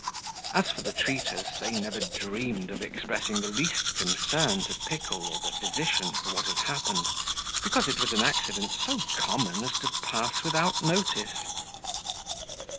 As for the treaters, they never dreamed of expressing the least concern to Pickle or the physician for what had happened, because it was an accident so common as to pass without notice.